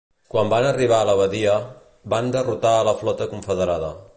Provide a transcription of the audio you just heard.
Quan van arribar a la badia, van derrotar a la flota confederada.